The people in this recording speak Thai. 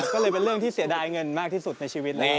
ก็เลยเป็นเรื่องที่เสียดายเงินมากที่สุดในชีวิตแล้ว